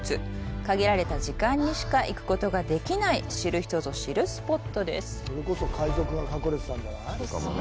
限られた時間にしか行くことができない知る人ぞ知るスポットです。